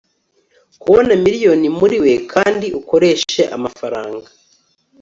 kubona miliyoni muriwe kandi ukoreshe amafaranga